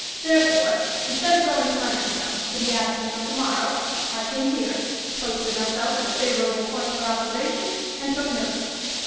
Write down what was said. Therefore, instead of going to Leonardtown, to be absent till to morrow, I came here, posted myself at a favorable point for observation, and took notes.